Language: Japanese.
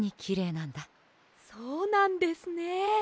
そうなんですね。